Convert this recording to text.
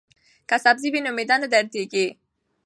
که سبزی وي نو معده نه دردیږي.